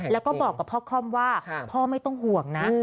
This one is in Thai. แล้วก็บอกกับพ่อค่อมว่าพ่อไม่ต้องห่วงนะ